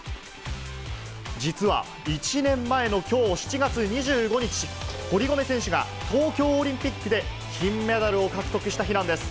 実は１年前のきょう、７月２５日、堀米選手が東京オリンピックで金メダルを獲得した日なんです。